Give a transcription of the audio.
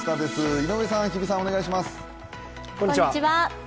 井上さん、日比さん、お願いします。